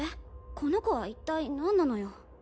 この子は一体なんなのよ？